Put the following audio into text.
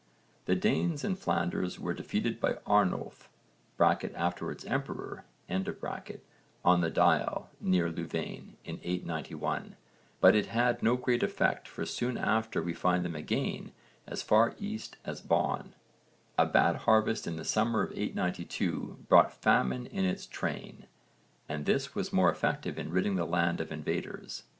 The Danes in Flanders were defeated by Arnulf (afterwards emperor) on the Dyle, near Louvain, in 891, but it had no great effect for soon after we find them again as far east as Bonn. A bad harvest in the summer of 892 brought famine in its train and this was more effective in ridding the land of invaders.